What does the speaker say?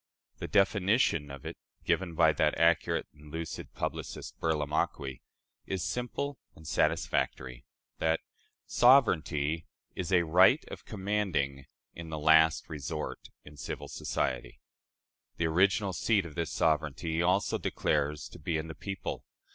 The definition of it given by that accurate and lucid publicist, Burlamaqui, is simple and satisfactory that "sovereignty is a right of commanding in the last resort in civil society." The original seat of this sovereignty he also declares to be in the people.